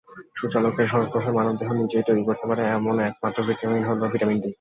সূর্যালোকের সংস্পর্শে মানবদেহ নিজেই তৈরি করতে পারে এমন একমাত্র ভিটামিন হলো ভিটামিন-ডি।